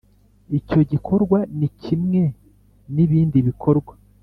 icyo gikorwa ni kimwe ni bindi bikorwa